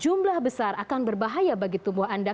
jumlah besar akan berbahaya bagi tubuh anda